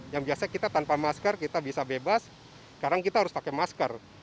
yang biasanya kita tanpa masker kita bisa bebas sekarang kita harus pakai masker